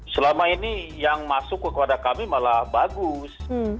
selama ini yang masuk kepada kami malah bagus